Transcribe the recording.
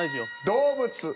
「動物」。